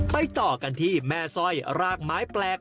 ต่อกันที่แม่สร้อยรากไม้แปลก